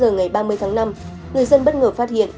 ngày ba mươi tháng năm người dân bất ngờ phát hiện